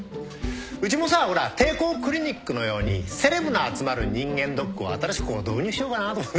うちもさほら帝光クリニックのようにセレブの集まる人間ドックを新しく導入しようかなと。